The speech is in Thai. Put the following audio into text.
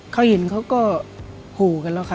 เขาเห็นเขาก็ขู่กันแล้วค่ะ